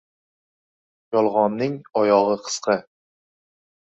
• Yolg‘onning oyog‘i qisqa.